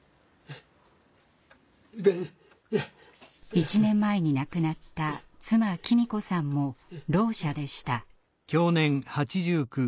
１年前に亡くなった妻喜美子さんもろう者でした。